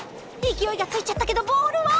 勢いがついちゃったけどボールは？